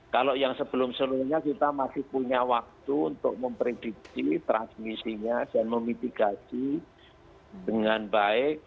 kalau yang sebelum sebelumnya kita masih punya waktu untuk memprediksi transmisinya dan memitigasi dengan baik